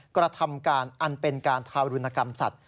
กระทำการอันเป็นการทารุณกรรมสัตว